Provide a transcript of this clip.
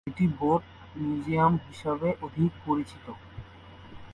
এটি boat museum হিসাবে অধিক পরিচিত।